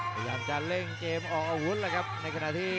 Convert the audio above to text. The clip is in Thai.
พยายามจะเร่งเจมส์ออกอาวุธหล่ะครับ